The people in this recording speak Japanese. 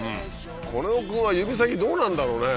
コネオ君は指先どうなんだろうね？